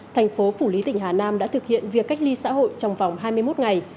thành phố phủ lý tỉnh hà nam đã thực hiện việc cách ly xã hội trong vòng hai mươi một ngày